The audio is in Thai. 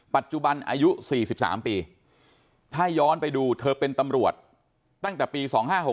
ปัจจุบันอายุ๔๓ปีถ้าย้อนไปดูเธอเป็นตำรวจตั้งแต่ปี๒๕๖๖